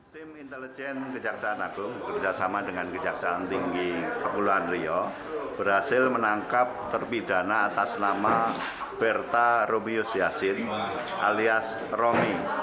tim intelijen kejaksanagu berkerjasama dengan kejaksan tinggi kepulauan riau berhasil menangkap terpidana atas nama berta romius yasin alias romi